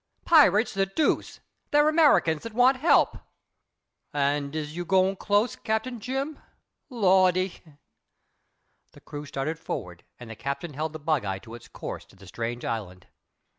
"Pirates, the deuce! They're Americans that want help." "And is you gwine close, Cap. Jim? Lawdy." The crew started forward and the Captain held the bugeye to its course to the strange island.